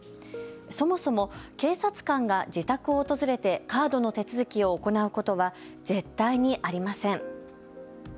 そもそも警察官が自宅を訪れてカードの手続きを行うことは絶対にありません。